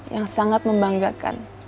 yang sangat membanggakan